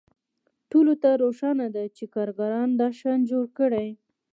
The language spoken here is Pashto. ټولو ته روښانه ده چې کارګرانو دا شیان جوړ کړي